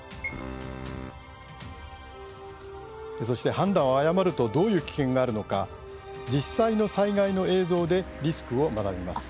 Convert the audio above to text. そして、判断を誤るとどういう危険があるのか実際の災害の映像でリスクを学びます。